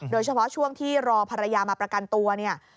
โดยเฉพาะช่วงที่รอภรรยามาประกันตัวเนี่ย